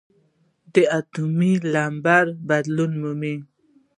د اتومي نمبر بدلون مومي .